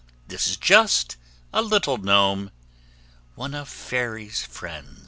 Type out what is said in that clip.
This is just a little gnome ONE OF FAIRY'S FRIENDS.